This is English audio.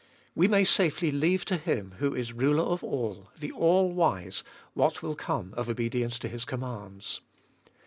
We may safely leave to Him who is ruler of all, the All wise, what will come of obedience to His commands.